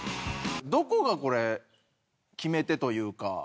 どこがこれ決め手というか。